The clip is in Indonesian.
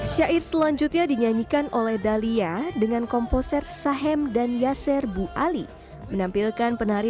syair selanjutnya dinyanyikan oleh dalia dengan komposer sahem dan yaser bu ali menampilkan penari